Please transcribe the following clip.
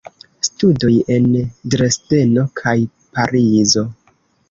Studoj en Dresdeno kaj Parizo.